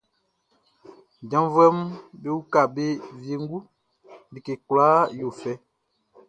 Janvuɛʼm be uka be wiengu, like kwlaa yo fɛ.